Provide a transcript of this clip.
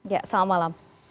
ya salam malam